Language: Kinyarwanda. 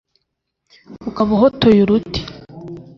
ukaba uhotoye uruti